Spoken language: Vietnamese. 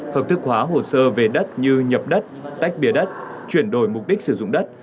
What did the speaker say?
hợp thức hóa hồ sơ về đất như nhập đất tách biệt đất chuyển đổi mục đích sử dụng đất